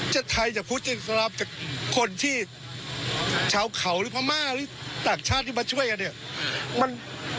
ไทยจะพูดจะรับจากคนที่ชาวเขาหรือพม่าหรือต่างชาติที่มาช่วยกันเนี่ย